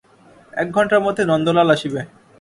একঘণ্টার মধ্যে নন্দলাল আসিবে।